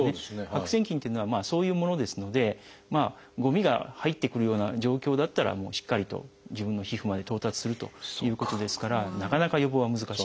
白癬菌っていうのはそういうものですのでごみが入ってくるような状況だったらしっかりと自分の皮膚まで到達するということですからなかなか予防は難しいです。